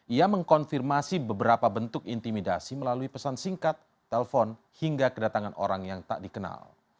ia mengkonfirmasi beberapa bentuk intimidasi melalui pesan singkat telpon hingga kedatangan orang yang tak dikenal